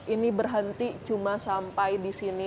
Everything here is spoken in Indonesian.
ini berhenti cuma sampai disini